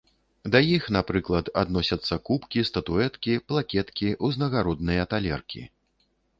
Да іх, напрыклад, адносяцца кубкі, статуэткі, плакеткі, узнагародныя талеркі.